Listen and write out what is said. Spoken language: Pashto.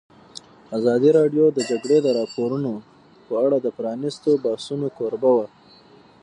ازادي راډیو د د جګړې راپورونه په اړه د پرانیستو بحثونو کوربه وه.